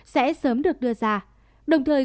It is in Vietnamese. sẽ sớm được đưa ra đồng thời